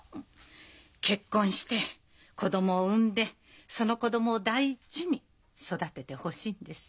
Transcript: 結婚して子供を産んでその子供を大事に育ててほしいんです。